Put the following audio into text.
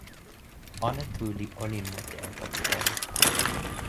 ona tu li olin mute e toki pona.